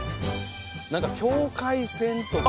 何か境界線とか。